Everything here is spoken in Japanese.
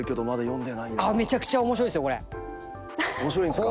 面白いんすか？